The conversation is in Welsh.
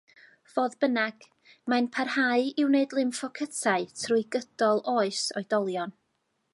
Fodd bynnag, mae'n parhau i wneud lymffocytau trwy gydol oes oedolion.